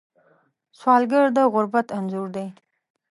سوالګر د غربت انځور دی